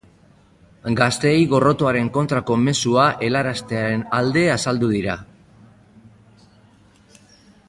Gazteei gorrotoaren kontrako mezua helaraztearen alde azaldu dira.